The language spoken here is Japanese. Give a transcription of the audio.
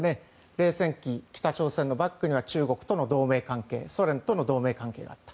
冷戦期、北朝鮮のバックには中国との同盟関係ソ連との同盟関係があった。